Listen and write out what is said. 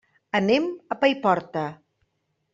Anem a Paiporta.